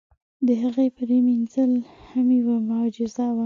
د هغې پرېمنځل هم یوه معجزه وه.